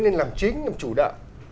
lên làm chính làm chủ đạo